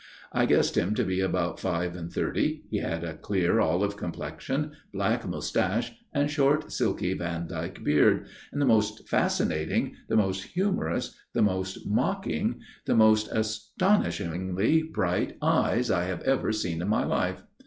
I guessed him to be about five and thirty. He had a clear olive complexion, black moustache and short silky vandyke beard, and the most fascinating, the most humorous, the most mocking, the most astonishingly bright eyes I have ever seen in my life.